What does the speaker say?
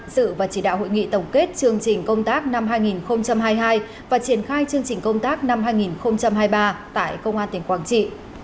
sự và chỉ đạo hội nghị tổng kết chương trình công tác năm hai nghìn hai mươi hai và triển khai chương trình công tác năm hai nghìn hai mươi ba tại công an tỉnh quảng trị